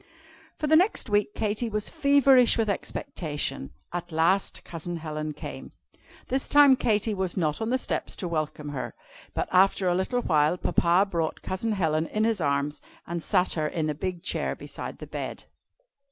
For the next week Katy was feverish with expectation. At last Cousin Helen came. This time Katy was not on the steps to welcome her, but after a little while Papa brought Cousin Helen in his arms, and sat her in a big chair beside the bed.